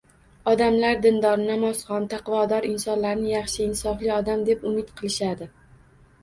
Odamlar dindor, namozxon, taqvodor insonlarni yaxshi, insofli odam deb umid qilishadi.